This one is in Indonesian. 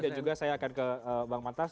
dan juga saya akan ke bang pantas